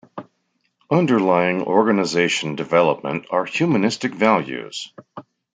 Underlying Organization Development are humanistic values.